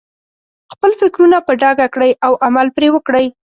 خپل فکرونه په ډاګه کړئ او عمل پرې وکړئ.